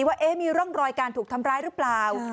ว่ามีร่องรอยการถูกทำร้ายหรือเปล่า